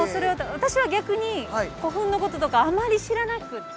私は逆に古墳のこととかあまり知らなくって。